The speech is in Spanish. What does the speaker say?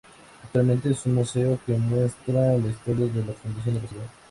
Actualmente es un museo que muestra la historia de la fundación de la ciudad.